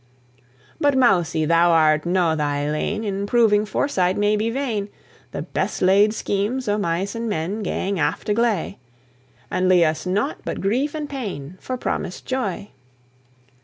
But, Mousie, thou art no thy lane, In proving foresight may be vain: The best laid schemes o' mice and men Gang aft a gley, And lea'e us naught but grief and pain, For promised joy.